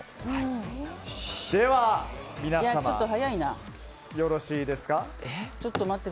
では皆様よろしいですか。